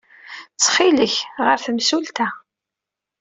Ttxil-k, ɣer i temsulta.